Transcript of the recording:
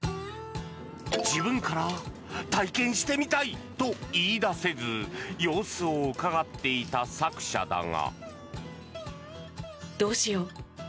自分から体験してみたいと言い出せず様子をうかがっていた作者だが。